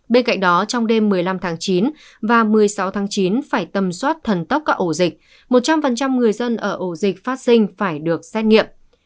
bên cạnh đó trong đêm một mươi năm tháng chín và một mươi sáu tháng chín phải tầm soát thần tốc các ổ dịch một trăm linh người dân ở ổ dịch phát sinh phải được xét nghiệm